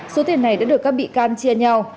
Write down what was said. số tiền này đã được các bị can chia nhau